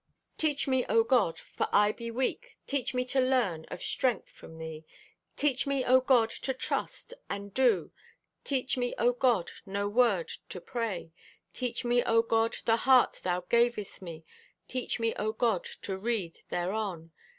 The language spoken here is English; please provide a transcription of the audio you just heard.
Teach me, O God, for I be weak. Teach me to learn Of strength from Thee. Teach me, O God, to trust, and do. Teach me, O God, no word to pray. Teach me, O God, the heart Thou gavest me. Teach me, O God, to read thereon.